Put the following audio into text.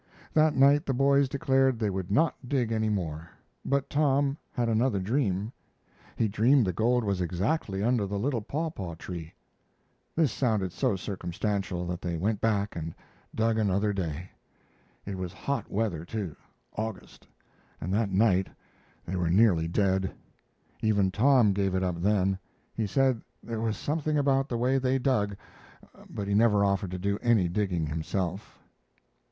That night the boys declared they would not dig any more. But Tom had another dream. He dreamed the gold was exactly under the little papaw tree. This sounded so circumstantial that they went back and dug another day. It was hot weather too, August, and that night they were nearly dead. Even Tom gave it up, then. He said there was something about the way they dug, but he never offered to do any digging himself.